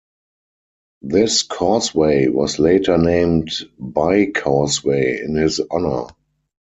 This causeway was later named "Bai Causeway", in his honor.